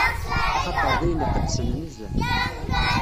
Axaṭer d ayen iqedsen nezzeh.